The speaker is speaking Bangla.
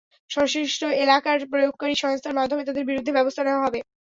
সংশ্লিষ্ট এলাকার আইন প্রয়োগকারী সংস্থার মাধ্যমে তাঁদের বিরুদ্ধে ব্যবস্থা নেওয়া হবে।